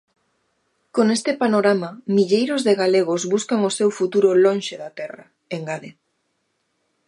"Con este panorama, milleiros de galegos buscan o seu futuro lonxe da terra", engade.